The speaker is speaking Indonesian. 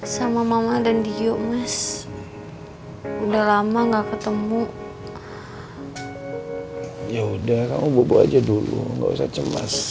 sama mama dan dio mes udah lama nggak ketemu ya udah kamu bobo aja dulu nggak bisa cemas